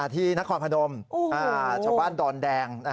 ที่นครพนมชาวบ้านดอนแดง